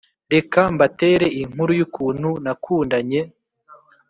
Reka mbatere inkuru yukuntu nakundanye